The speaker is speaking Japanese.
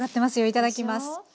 いただきます。